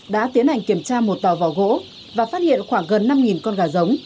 đã tiến hành kiểm tra một tàu vỏ gỗ và phát hiện khoảng gần năm con gà giống